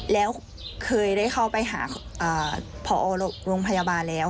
แล้วเคยได้เข้าไปหาพอโรงพยาบาลแล้ว